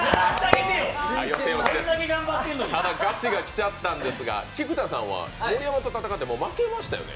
ガチがきちゃったんですが菊田さんは盛山と戦って負けましたよね？